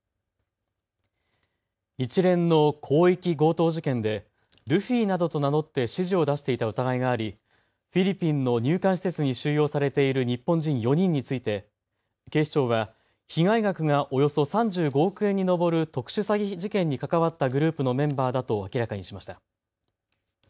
一連の広域強盗事件でルフィなどと名乗って指示を出していた疑いがありフィリピンの入管施設に収容されている日本人４人について警視庁は被害額がおよそ３５億円に上る特殊詐欺事件に関わったグループのメンバーだと明らかにしました。